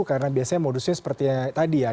karena biasanya modusnya seperti tadi ya